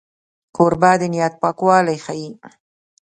کوربه د نیت پاکوالی ښيي.